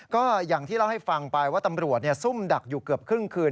ก็อย่างที่เล่าให้ฟังไปว่าตำรวจซุ่มดักอยู่เกือบครึ่งคืน